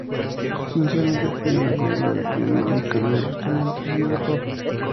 Inicialmente tiene un arreglo de piano y cambia bruscamente al sonido pop.